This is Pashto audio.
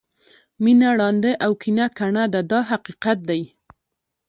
مینه ړانده او کینه کڼه ده دا حقیقت دی.